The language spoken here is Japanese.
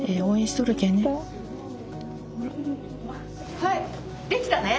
はいできたね？